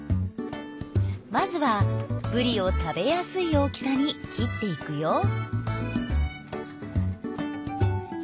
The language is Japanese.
まずはぶりを食べやすい大きさに切っていくよ